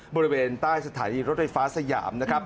บริเวณใต้สถานีรถไฟฟ้าสยามนะครับ